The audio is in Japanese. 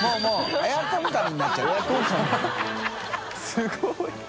すごい